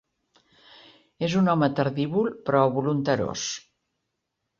És un home tardívol però volenterós.